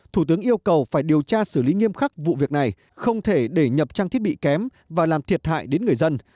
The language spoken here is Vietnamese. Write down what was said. thủ tướng yêu cầu phải điều tra xử lý nghiêm khắc vụ việc này không thể để nhập trang thiết bị kém và làm thiệt hại đến người dân